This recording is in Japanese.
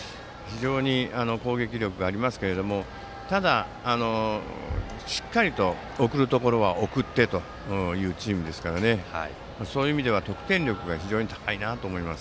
非常に攻撃力がありますがただ、しっかり送るところは送ってというチームですからそういう意味では得点力が非常に高いなと思います。